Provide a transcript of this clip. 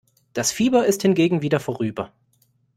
Das Fieber ist hingegen wieder vorüber.